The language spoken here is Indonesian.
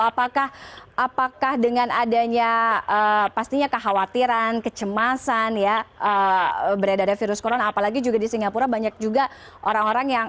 apakah dengan adanya pastinya kekhawatiran kecemasan ya beredar virus corona apalagi juga di singapura banyak juga orang orang yang